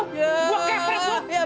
gue kepet tuh